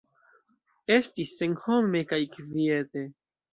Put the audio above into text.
Estis senhome kaj kviete.